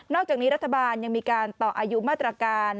จากนี้รัฐบาลยังมีการต่ออายุมาตรการ